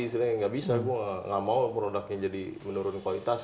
istilahnya nggak bisa ibu nggak mau produknya jadi menurun kualitas